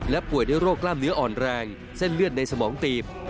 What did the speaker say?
ป่วยด้วยโรคกล้ามเนื้ออ่อนแรงเส้นเลือดในสมองตีบ